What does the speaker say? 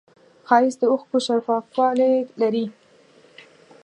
ښایست د اوښکو شفافوالی لري